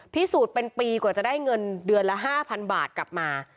พิสูจน์เป็นปีกว่าจะได้เงินเดือนละ๕๐๐๐บาทกลับมา